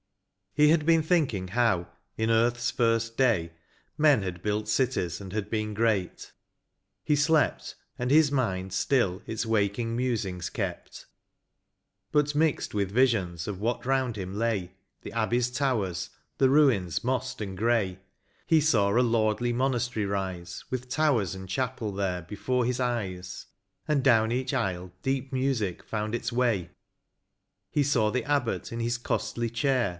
He had been thinking how, in earth's first day. Men had built cities and been great ; he slept, And his mind still its waking musings kept, But mixed with visions of what round him lay — The abbeys towers — the ruins, mossed and grey; He saw a lordly mionastery rise, With towers and chapel there before his eyes, And down each aisle deep music found its way ;• He saw the abbot in his costly chair.